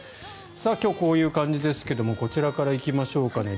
今日はこういう感じですがこちらから行きましょうかね